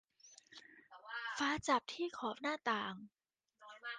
ฟ้าจับที่ขอบหน้าต่าง